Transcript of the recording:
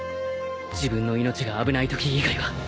自分の命が危ないとき以外は。